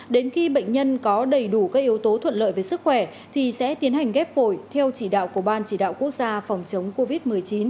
đến khi bệnh nhân có đầy đủ các yếu tố thuận lợi về sức khỏe thì sẽ tiến hành ghép phổi theo chỉ đạo của ban chỉ đạo quốc gia phòng chống covid một mươi chín